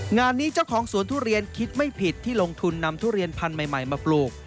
งานนี้เจ้าของสวนทุเรียนคิดไม่ผิดที่ลงทุนนำทุเรียนพันธุ์ใหม่มาปลูก